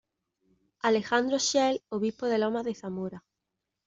Alejandro Schell, obispo de Lomas de Zamora.